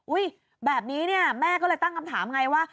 แบบนี้เนี่ยแม่ก็เลยตั้งคำถามไงว่า